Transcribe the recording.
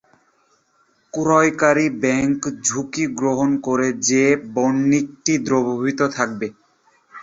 ক্রয়কারী bank ঝুঁকি গ্রহণ করে যে, বণিকটি দ্রবীভূত থাকবে।